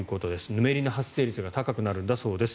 ぬめりの発生率が高くなるんだそうです。